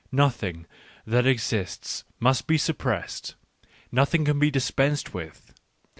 Nothing that exists must be suppressed, nothing can be dispensed with.